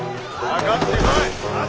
かかってこい！